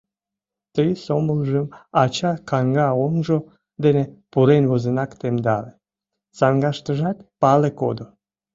Ты сомылжым ача каҥга оҥжо дене пурен возынак темдале, саҥгаштыжат пале кодо.